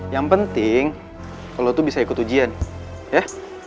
yang penting lo tuh bisa ikut ujian ya